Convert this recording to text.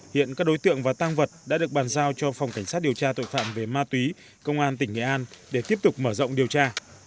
hiện các đối tượng và tang vật đã được bàn giao cho phòng cảnh sát điều tra tội phạm về ma túy công an tỉnh nghệ an để tiếp tục mở rộng điều tra